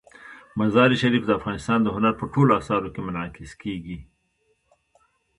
مزارشریف د افغانستان د هنر په ټولو اثارو کې منعکس کېږي.